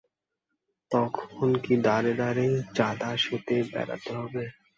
তখন কি দ্বারে দ্বারে চাঁদা সেধে বেড়াতে হবে?